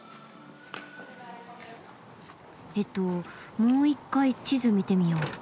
えっともう一回地図見てみよう。